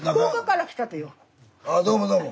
あどうもどうも。